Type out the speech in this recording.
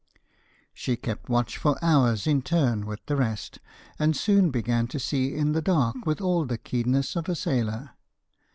She kept watch for four hours in turn with the rest, and soon began to see in the dark with all the keenness of a sailor.